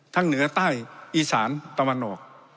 เหนือใต้อีสานตะวันออก